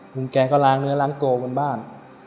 คุณแกก็ล้างเนื้อล้างตัวบนบ้าน